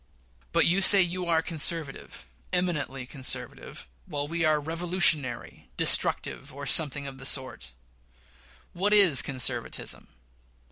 But you say you are conservative eminently conservative while we are revolutionary, destructive, or something, of the sort. What is conservatism?